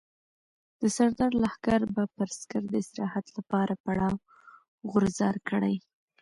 د سردار لښکر به پر سکر د استراحت لپاره پړاو غورځار کړي.